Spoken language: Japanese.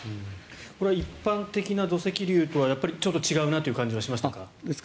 これは一般的な土石流とはちょっと違うなという感じがしますか？